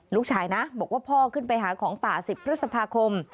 ลูกชายนะบอกว่าพ่อขึ้นไปหาของป่า๑๐พฤษภาคม